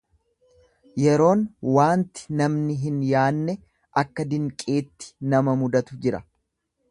Yeroon waanti namni hin yaanne akka dinqiitti nama mudatu jira.